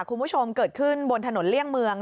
คุณผู้ชมเกิดขึ้นบนถนนเลี่ยงเมือง